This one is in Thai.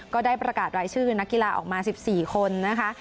ก็ได้ประกาศรายชื่อนักกีฬาออกมา๑๔คนนะคะ